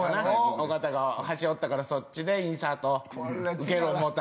尾形が箸折ったからそっちでインサートウケる思うた？